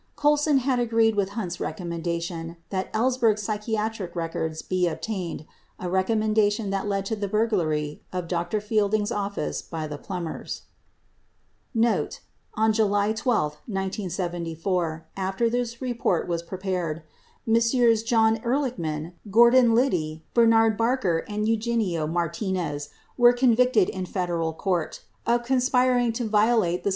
Colson had agreed with Hunt's recommendation that Ellsberg's psychiatrist's records be obtained — a recommendation that led to the burglary of Dr. Fielding's office by the Plumbers. [Note: On July 12, 1974, after this report w T as prepared, Messrs. John Ehrlichman, Gordon Liddy, Bernard Barker and Eugenio Martinez were convicted in Federal court of conspiring to violate 88 Exhibit 150, 9 Hearings 3886.